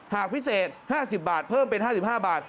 หากพิเศษ๕๐บาทเพิ่มเป็น๕๕บาท